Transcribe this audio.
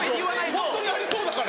ホントにありそうだから。